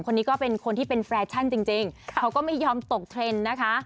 คนนี้ก็เป็นคนที่เป็นแฟชั่นจริงเขาก็ไม่ยอมตกเทรนด์นะคะ